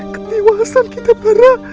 ketewasan kita bara